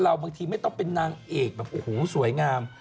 บางทีไม่ต้องเป็นนางเอกแบบโอ้โหสวยงาม